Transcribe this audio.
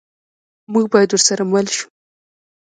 موږ باید ورسره مل شو.